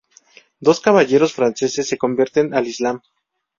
Dos caballeros franceses se convierten al islam.